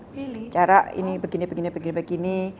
bicara ini begini begini begini